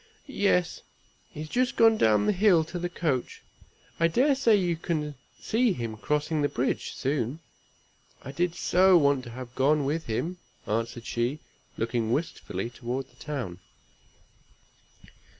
"Yes! he is just gone down the hill to the coach. I dare say you can see him crossing the bridge, soon. I did so want to have gone with him," answered she, looking wistfully toward the town.